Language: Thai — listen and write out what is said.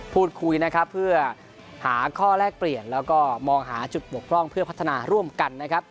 พูดคุยนะครับเพื่อหาข้อแลกเปลี่ยนแล้วก็มองหาจุดบกพร่องเพื่อพัฒนาร่วมกันนะครับ